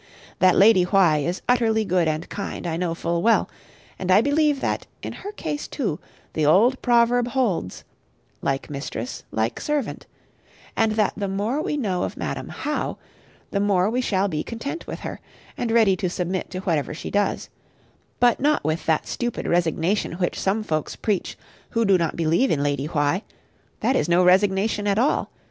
That Lady Why is utterly good and kind I know full well; and I believe that, in her case too, the old proverb holds, "Like mistress, like servant;" and that the more we know of Madam How, the more we shall be content with her, and ready to submit to whatever she does: but not with that stupid resignation which some folks preach who do not believe in lady Why that is no resignation at all.